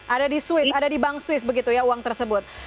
ada di swiss ada di bank swiss begitu ya uang tersebut